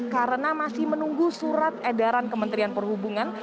karena masih menunggu surat edaran kementerian perhubungan